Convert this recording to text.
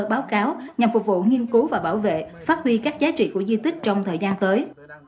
báo cáo nhằm phục vụ nghiên cứu và bảo vệ phát huy các giá trị của di tích trong thời gian tới